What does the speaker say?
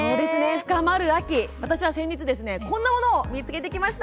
深まる秋、私は先日こんなものを見つけました。